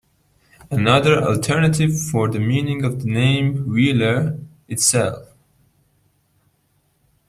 Another alternative for the meaning of the name "Wheeler" itself.